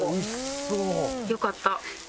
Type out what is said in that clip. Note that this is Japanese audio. よかった。